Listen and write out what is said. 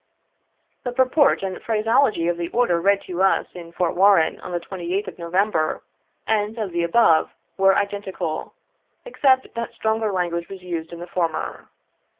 The purport and phraseology of the order read to us in Fort Warren on the 2Sth of November, and of the above were identical, except that stronger language was used in the former.